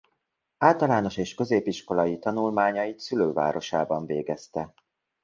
Általános és középiskolai tanulmányait szülővárosában végezte.